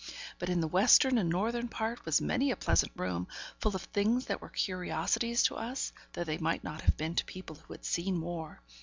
But in the western and northern part was many a pleasant room; full of things that were curiosities to us, though they might not have been to people who had seen more.